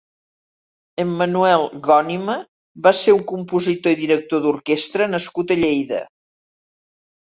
Emmanuel Gònima va ser un compositor i director d'orquestra nascut a Lleida.